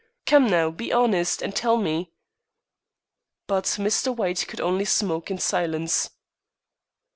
Come now, be honest, and tell me." But Mr. White could only smoke in silence.